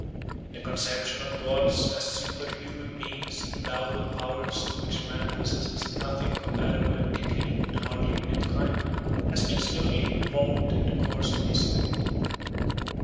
The conception of gods as superhuman beings endowed with powers to which man possesses nothing comparable in degree and hardly even in kind, has been slowly evolved in the course of history.